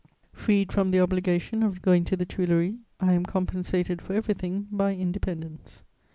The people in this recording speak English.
Freed from the obligation of going to the Tuileries, I am compensated for everything by independence.